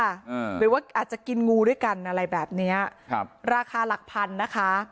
หรือว่าอาจจะกินงูด้วยกันอะไรแบบเนี้ยครับราคาหลักพันนะคะ